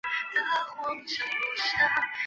鹬虻科是分类在短角亚目下的虻下目中。